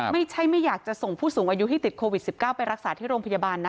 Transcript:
ไม่อยากจะส่งผู้สูงอายุที่ติดโควิด๑๙ไปรักษาที่โรงพยาบาลนะ